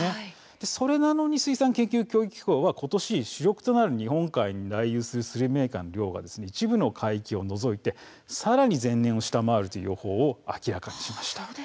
さらに、水産研究・教育機構は今年度、主力となる日本海に来遊するスルメイカの量が一部の海域を除いてさらに前年を下回るという予報を明らかにしました。